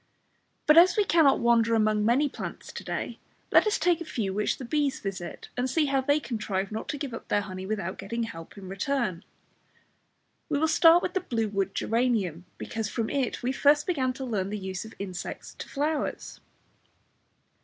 But as we cannot wander among many plants to day, let us take a few which the bees visit, and see how they contrive not to give up their honey without getting help in return. We will start with the blue wood geranium, because from it we first began to learn the use of insects to flowers.